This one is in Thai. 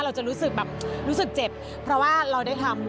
เราจะรู้สึกแบบรู้สึกเจ็บเพราะว่าเราได้ทำ